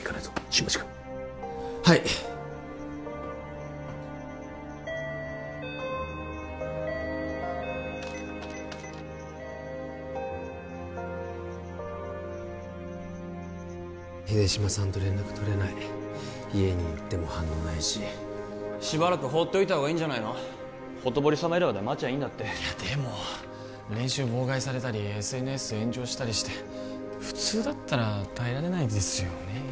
新町君はい秀島さんと連絡とれない家に行っても反応ないししばらく放っておいたほうがいいんじゃないのほとぼり冷めるまで待ちゃいいんだっていやでも練習妨害されたりＳＮＳ炎上したりして普通だったら耐えられないですよね